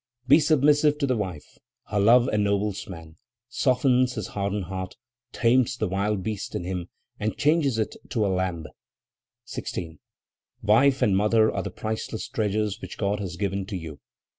"Be submissive to the wife; her love ennobles man, softens his hardened heart, tames the wild beast in him and changes it to a lamb. 16. "Wife and mother are the priceless treasures which God has given to you.